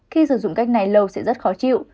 khi sử dụng cách này lâu sẽ rất khó chịu